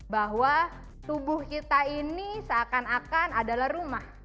bahwa tubuh kita ini seakan akan adalah rumah